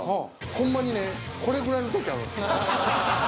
ほんまにねこれぐらいの時あるんすよ。